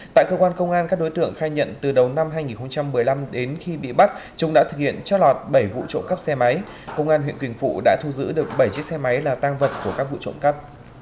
tại cơ quan công an các đối tượng khai nhận từ đầu năm hai nghìn một mươi năm đến khi bị bắt chúng đã thực hiện trót lọt bảy vụ trộm cắp xe máy công an huyện quỳnh phụ đã thu giữ được bảy chiếc xe máy là tang vật của các vụ trộm cắp